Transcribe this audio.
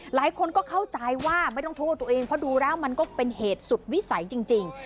หลายคนก็เข้าใจว่าไม่ต้องโทษตัวเองเพราะดูแล้วมันก็เป็นเหตุสุดวิสัยจริง